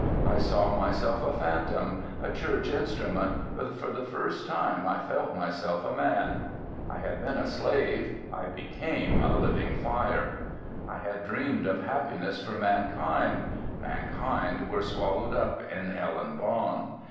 I saw myself a phantom, a church instrument, but for the first time I felt myself a man. I had been a slave, I became a living fire. I had dreamed of happiness for mankind, mankind were swallowed up in Helen Bond.